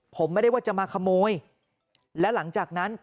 ผมไม่ได้ว่าจะมาขโมยและหลังจากนั้น